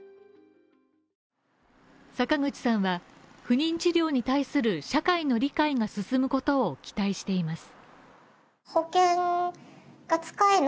坂口さんは不妊治療に対する社会の理解が進むことを期待しています。